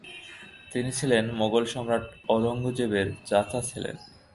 তিনি ছিলেন মোগল সম্রাট আওরঙ্গজেবের চাচা ছিলেন।